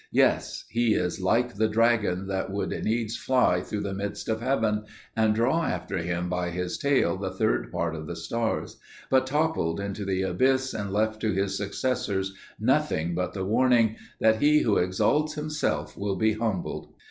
Yes! he is like the dragon that would needs fly through the midst of heaven, and draw after him by his tail the third part of the stars; but toppled into the abyss, and left to his successors nothing but the warning, that he who exalts himself will be humbled.